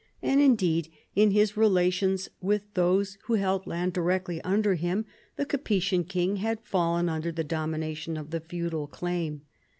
And indeed in his relations with those who held land directly under him the Capetian king had fallen under the domination of the feudal claim.